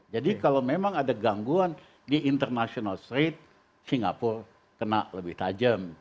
jadi kalau memang ada gangguan di international trade singapura kena lebih tajam